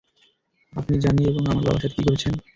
আপনি জনি এবং আমার বাবার সাথে কী করেছেন?